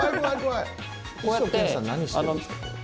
一翔剣さん何してるんですか？